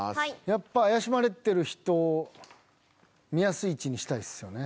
やっぱ怪しまれてる人見やすい位置にしたいですよね。